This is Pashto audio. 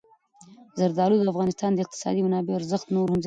زردالو د افغانستان د اقتصادي منابعو ارزښت نور هم زیاتوي.